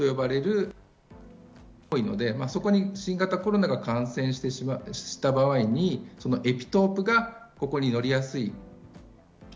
これが多いので、新型コロナに感染した場合にエピトープがここに乗りやすい。